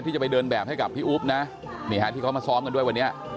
จะไปเดินแบบให้กับพี่อุ๊บนะนี่ฮะที่เขามาซ้อมกันด้วยวันนี้